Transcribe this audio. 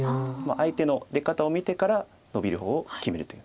相手の出方を見てからノビる方を決めるという。